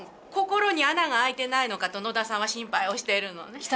心に穴があいてないのかと野田さんは心配をしているのね。